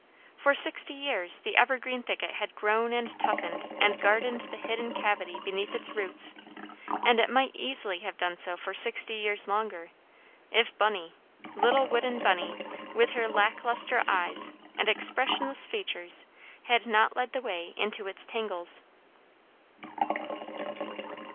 For sixty years the evergreen thicket had grown and toughened and guarded the hidden cavity beneath its roots; and it might easily have done so for sixty years longer, if Bunny, little wooden Bunny, with her lack lustre eyes and expressionless features, had not led the way into its tangles.